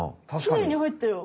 きれいにはいったよ。